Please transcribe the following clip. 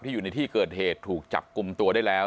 อยู่ในที่เกิดเหตุถูกจับกลุ่มตัวได้แล้ว